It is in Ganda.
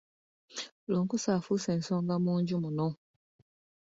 Lunkuse afuuse ensonga mu nju muno.